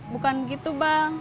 bukan begitu bang